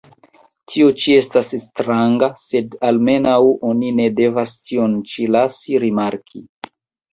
Tio ĉi estas stranga, sed almenaŭ oni ne devas tion ĉi lasi rimarki!